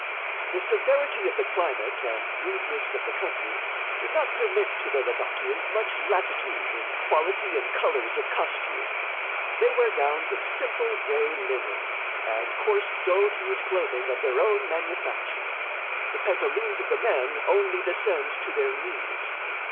The severity of the climate and rudeness of the country, do not permit to the Ladakians much latitude in quality and colors of costume. They wear gowns of simple gray linen and coarse dull hued clothing of their own manufacture. The pantaloons of the men only descend to their knees.